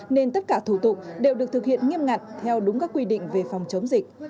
nên tất cả thủ tục đều được thực hiện nghiêm ngặt theo đúng các quy định về phòng chống dịch